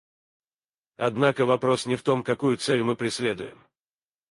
Однако вопрос не в том, какую цель мы преследуем.